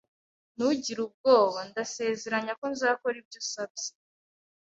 Ntugire ubwoba. Ndasezeranye ko nzakora ibyo usabye.